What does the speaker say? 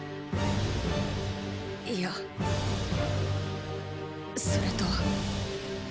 いや。それと。